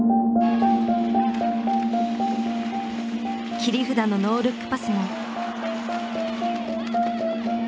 切り札のノールックパスも。